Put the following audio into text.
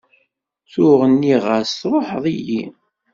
Tuɣ nniɣ-as truḥeḍ-iyi.